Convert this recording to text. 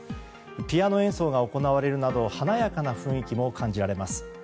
ピアノ演奏が行われるなど華やかな雰囲気も感じられます。